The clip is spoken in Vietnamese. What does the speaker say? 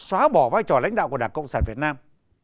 xóa bỏ vai trò lãnh đạo của đảng cộng sản việt nam